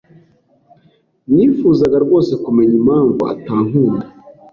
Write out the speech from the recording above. Nifuzaga rwose kumenya impamvu atankunda.